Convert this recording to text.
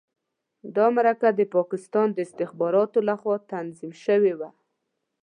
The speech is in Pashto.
دا مرکه د پاکستان د استخباراتو لخوا تنظیم شوې وه.